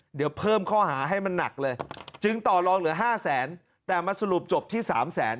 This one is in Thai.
เดี๋ยวเพิ่มข้อหาให้มันหนักเลยจึงต่อลองเหลือห้าแสนแต่มาสรุปจบที่สามแสน